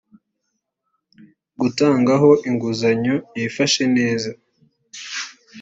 gutangaho inguzanyo yifashe neza